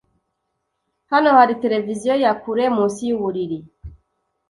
Hano hari televiziyo ya kure munsi yuburiri.